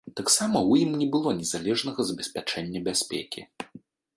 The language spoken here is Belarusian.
Таксама ў ім не было належнага забеспячэння бяспекі.